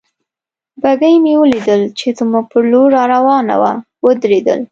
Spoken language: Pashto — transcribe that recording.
بګۍ مې ولیدل چې زموږ پر لور را روانه وه، ودرېدل.